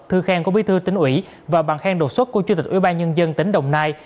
thư khen của bí thư tỉnh ủy và bằng khen đột xuất của chủ tịch ubnd tỉnh đồng nai